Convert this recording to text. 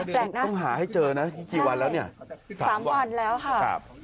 แปลกนะต้องหาให้เจอนะที่วันแล้วเนี่ยสามวันสามวันแล้วค่ะ